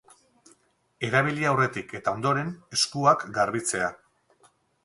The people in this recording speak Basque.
Erabili aurretik eta ondoren eskuak garbitzea.